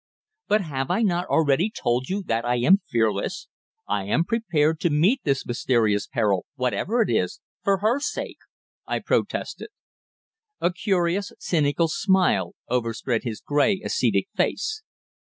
"But have I not already told you that I am fearless? I am prepared to meet this mysterious peril, whatever it is, for her sake!" I protested. A curious, cynical smile overspread his grey, ascetic face.